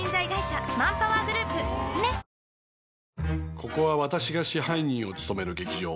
ここは私が支配人を務める劇場。